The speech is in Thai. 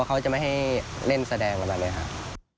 กลัวจะไม่ให้เล่นแสดงนะกันเลยครับ